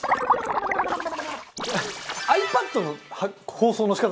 ｉＰａｄの包装の仕方。